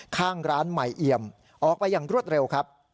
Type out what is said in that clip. ข้างร้านใหม่เอี่ยมออกไปอย่างรวดเร็วครับ